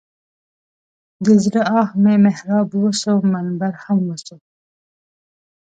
د زړه آه مې محراب وسو منبر هم وسو.